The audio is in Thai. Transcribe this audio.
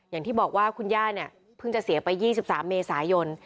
อย่างที่บอกว่าคุณย่าเนี่ยเพิ่งจะเสียไป๒๓เมษายน